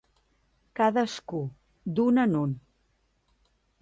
Cadascú, d’un en un.